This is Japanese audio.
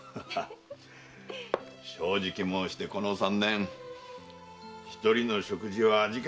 正直申してこの三年一人の食事は味気なかった。